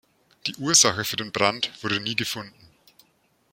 Die Ursache für den Brand wurde nie gefunden.